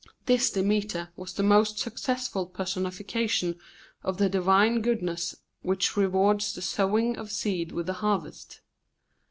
This Demeter was the most successful personification of the divine goodness which rewards the sowing of seed with the harvest.